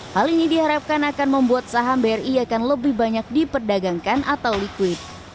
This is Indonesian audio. hal ini diharapkan akan membuat saham bri akan lebih banyak diperdagangkan atau liquid